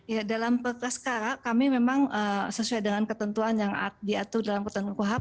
ya dalam perkara sekarang kami memang sesuai dengan ketentuan yang diatur dalam ketentuan kuhap